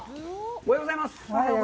おはようございます。